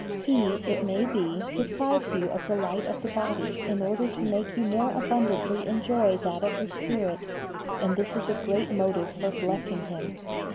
He, it may be, deprives you of the light of the body in order to make you more abundantly enjoy that of the spirit, and this is a great motive for blessing Him.